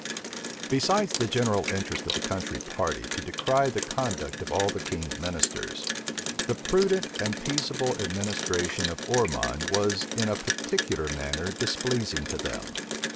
Besides the general interest of the country party to decry the conduct of all the king's ministers, the prudent and peaceable administration of Ormond was in a particular manner displeasing to them.